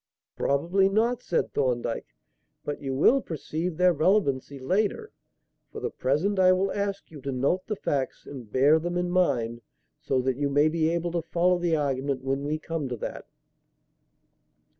"Probably not," said Thorndyke, "but you will perceive their relevancy later. For the present, I will ask you to note the facts and bear them in mind, so that you may be able to follow the argument when we come to that.